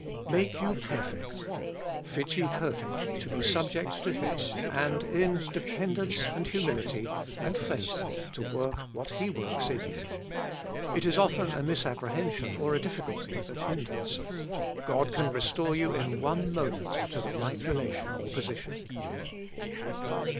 3. Make you perfect : fit you perfectly to be subject to Him, and in dependence and humility and faith to work what He works in you. It is often a misapprehension or a difficulty that hinders. God can restore you in one moment to the right relation or position.